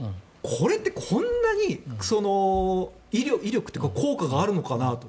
これってこんなに威力というか効果があるのかなと。